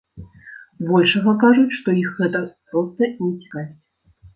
Збольшага кажуць, што іх гэта проста не цікавіць.